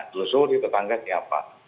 dulu sewuri tetangga siapa